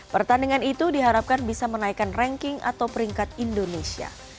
pertandingan itu diharapkan bisa menaikkan ranking atau peringkat indonesia